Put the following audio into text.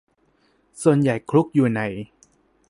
ส่วนใหญ่คลุกอยู่ใน